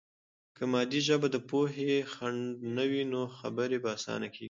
که مادي ژبه د پوهې خنډ نه وي، نو خبرې به آسانه کیږي.